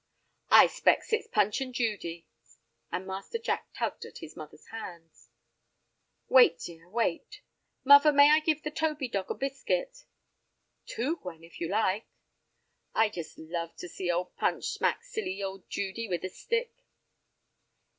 "I specs it's Punch and Judy," and Master Jack tugged at his mother's hand. "Wait, dear, wait." "Muvver, may I give the Toby dog a biscuit?" "Two, Gwen, if you like." "I just love to see old Punch smack silly old Judy with a stick!"